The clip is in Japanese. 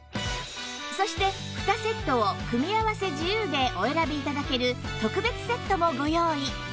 そして２セットを組み合わせ自由でお選び頂ける特別セットもご用意